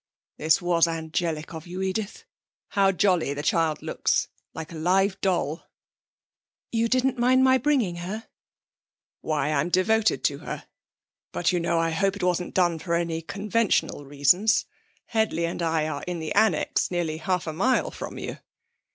'This was angelic of you, Edith. How jolly the child looks! like a live doll.' 'You didn't mind my bringing her?' 'Why, I'm devoted to her. But, you know, I hope it wasn't done for any conventional reasons. Headley and I are in the Annexe, nearly half a mile from you.'